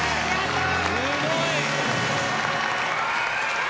すごい。